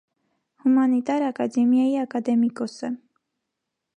Հումանիտար ակադեմիայի ակադեմիկոս է։